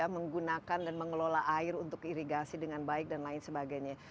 menggunakan dan mengelola air untuk irigasi dengan baik dan lain sebagainya